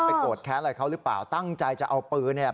โกรธแค้นอะไรเขาหรือเปล่าตั้งใจจะเอาปืนเนี่ย